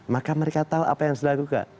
maka mereka tahu apa yang harus dilakukan